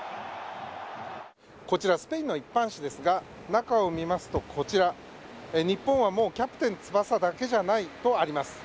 こちらスペインの一般紙ですが中を見ますと日本はもう、キャプテン翼だけじゃない、とあります。